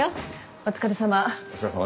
お疲れさま。